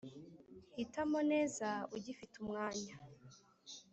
hitamo neza ugifite umwanya